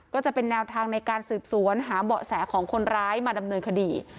ก็จะเป็นแนวทางในการสืบสวนหาเบาะแสของคนร้ายมาดำเนินคดี